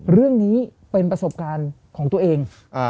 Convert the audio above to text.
เรื่องนี้เป็นประสบการณ์ของตัวเอง